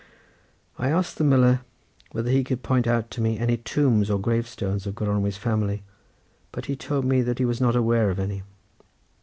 I asked the miller whether he could point out to me any tombs or grave stones of Gronwy's family, but he told me that he was not aware of any.